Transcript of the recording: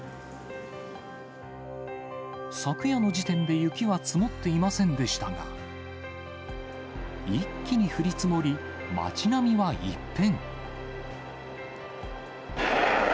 昨夜の時点で雪は積もっていませんでしたが、一気に降り積もり、街並みは一変。